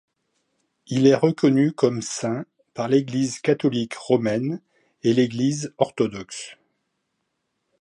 Il est reconnu comme Saint par l'Église catholique romaine et l'Église orthodoxe.